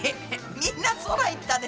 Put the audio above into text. みんな空行ったね。